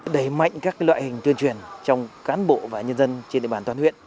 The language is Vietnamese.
đẩy mạnh các loại hình tuyên truyền trong cán bộ và nhân dân trên địa bàn toàn huyện